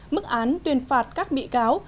mức án tuyên phạt các bị cáo